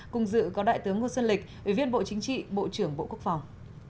cùng dự có đại tướng ngô xuân lịch ủy viên bộ chính trị bộ trưởng bộ quốc phòng